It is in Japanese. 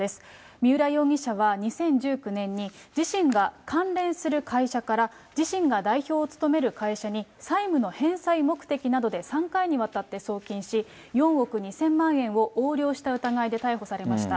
三浦容疑者は２０１９年に、自身が関連する会社から、自身が代表を務める会社に、債務の返済目的などで３回にわたって送金し、４億２０００万円を横領した疑いで逮捕されました。